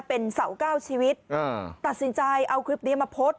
เป็นเสาเก้าชีวิตตัดสินใจเอาคลิปนี้มาโพสต์